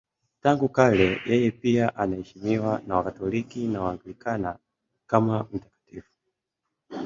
Tangu kale yeye pia anaheshimiwa na Wakatoliki na Waanglikana kama mtakatifu.